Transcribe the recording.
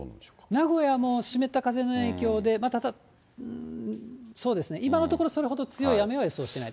名古屋も湿った風の影響で、今のところそれほど強い雨は予想していない。